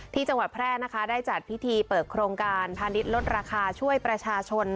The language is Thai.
ที่จังหวัดแพร่นะคะได้จัดพิธีเปิดโครงการพาณิชย์ลดราคาช่วยประชาชน